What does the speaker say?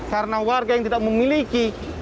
karena warga yang tidak memiliki identitas apapun